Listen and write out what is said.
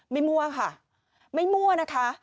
มั่วค่ะไม่มั่วนะคะ